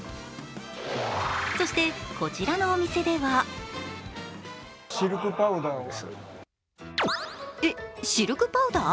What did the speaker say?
そして、こちらのお店ではえっ、シルクパウダー？